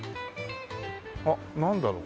あっなんだろう？